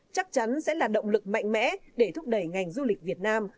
chắc chắn sẽ là động lực mạnh mẽ để thúc đẩy ngành du lịch việt nam